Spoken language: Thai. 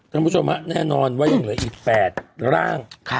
ท่านผู้ชมฮะแน่นอนว่ายังเหลืออีกแปดร่างครับ